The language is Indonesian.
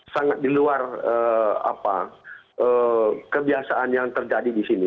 sangat diluar kebiasaan yang terjadi di sini